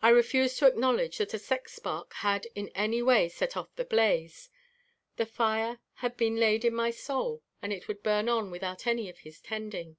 I refused to acknowledge that a sex spark had in any way set off the blaze; the fire had been laid in my soul and it would burn on without any of his tending.